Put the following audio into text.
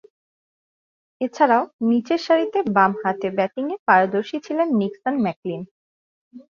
এছাড়াও, নিচেরসারিতে বামহাতে ব্যাটিংয়ে পারদর্শী ছিলেন নিক্সন ম্যাকলিন।